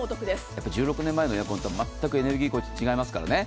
やっぱ１６年前のエアコンとはエネルギー効率違いますからね。